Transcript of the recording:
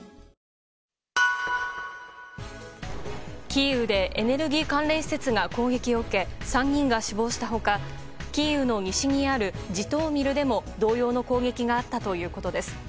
キーウでエネルギー関連施設が攻撃を受け３人が死亡した他キーウの西にあるジトーミルでも同様の攻撃があったということです。